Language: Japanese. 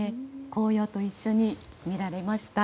紅葉と一緒に見られました。